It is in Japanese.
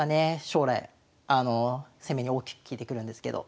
将来攻めに大きく利いてくるんですけど。